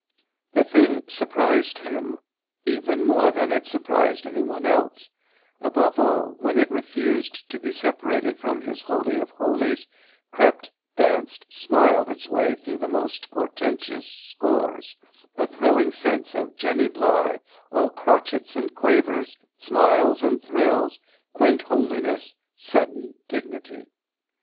The thing surprised him even more than it surprised any one else; above all, when it refused to be separated from his holy of holies, crept, danced, smiled its way through the most portentous scores a thrilling sense of Jenny Bligh, all crotchets and quavers, smiles and thrills, quaint homeliness, sudden dignity.